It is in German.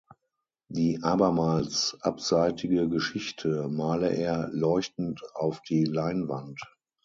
Die „abermals abseitige Geschichte“ male er „leuchtend auf die Leinwand“.